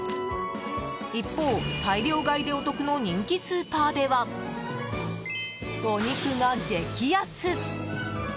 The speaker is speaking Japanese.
一方、大量買いでお得の人気スーパーではお肉が激安。